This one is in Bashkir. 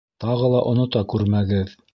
Тағы ла онота күрмәгеҙ...